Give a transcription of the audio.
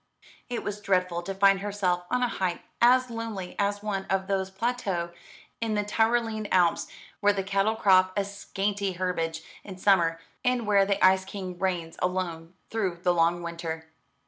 It was dreadful to find herself on a height as lonely as one of those plateaux in the Tyrolean Alps where the cattle crop a scanty herbage in summer, and where the Ice King reigns alone through the long winter.